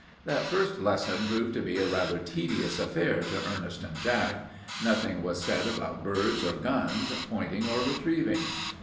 That first lesson proved to be a rather tedious affair to Ernest and Jack. Nothing was said about birds or guns, pointing or retrieving.